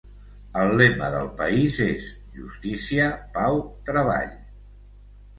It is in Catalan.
El lema del país és: "Justícia, Pau, Treball".